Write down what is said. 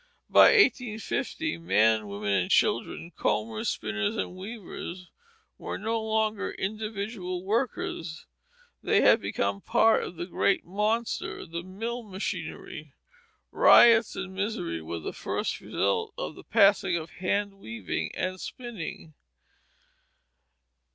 By 1850 men, women, and children combers, spinners, and weavers were no longer individual workers; they had become part of that great monster, the mill machinery. Riots and misery were the first result of the passing of hand weaving and spinning.